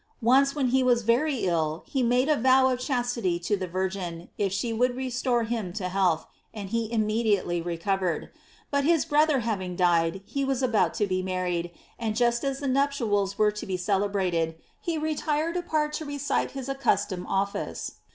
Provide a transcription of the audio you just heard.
Once when he was very ill, he made a vow of chastity to the Virgin, if she would restore him to health: and he immediately recovered. But his brother having died, he was about to be married, and just as the nuptials were to be celebrated, he retired apart to recite his accustomed office.